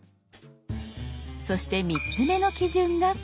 そして３つ目の基準がこちら。